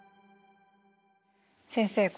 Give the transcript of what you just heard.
先生